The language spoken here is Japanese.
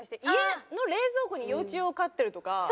家の冷蔵庫に幼虫を飼ってるとか。